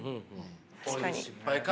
こういう失敗から。